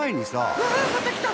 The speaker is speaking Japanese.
うわあまたきた！